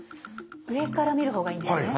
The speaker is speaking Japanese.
上から見る方がいいんですね。